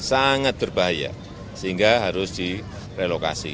sangat berbahaya sehingga harus direlokasi